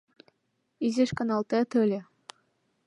— Изиш каналтет ыле.